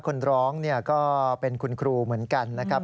คนร้องก็เป็นคุณครูเหมือนกันนะครับ